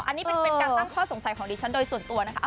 อันนี้เป็นการตั้งข้อสงสัยของดิฉันโดยส่วนตัวนะคะ